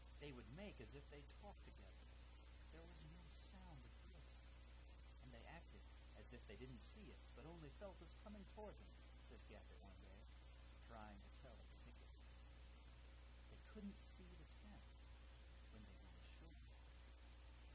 They would make as if they talked together, but there was no sound of voices, and 'they acted as if they didn't see us, but only felt us coming towards them,' says Gaffett one day, trying to tell the particulars. They couldn't see the town when they were ashore.